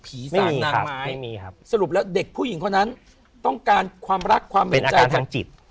สากนางไม้สรุปแล้วเด็กผู้หญิงคนนั้นต้องการความรักความเห็นใจทางจิต